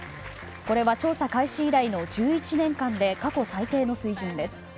これは調査開始以来の１１年間で過去最低の水準です。